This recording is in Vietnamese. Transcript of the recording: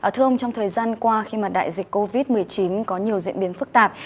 thưa ông trong thời gian qua khi mà đại dịch covid một mươi chín có nhiều diễn biến phức tạp